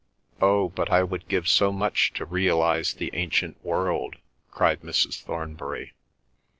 "Oh, but I would give so much to realise the ancient world!" cried Mrs. Thornbury.